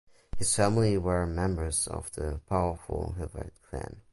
His family were members of the powerful Hvide clan.